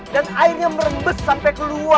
dan airnya merembes sampai ke bawah